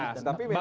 nah tapi memang